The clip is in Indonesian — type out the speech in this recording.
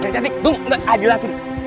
dede cantik tunggu enggak ah jelasin